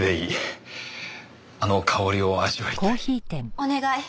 お願い。